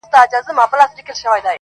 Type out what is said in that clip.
ويني ته مه څښه اوبه وڅښه.